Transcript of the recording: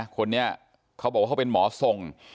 คนนี้เขาบอกว่าเขาเป็นหมอทรง